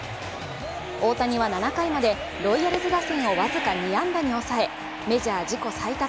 大谷は、７回までロイヤルズ打線を僅か２安打に抑え、メジャー自己最多